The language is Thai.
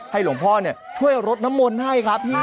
หลวงพ่อช่วยรดน้ำมนต์ให้ครับพี่